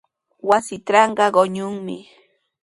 Wasiitrawqa quñunmi.